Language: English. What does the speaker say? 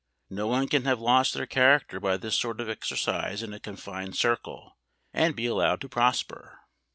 No one can have lost their character by this sort of exercise in a confined circle, and be allowed to prosper!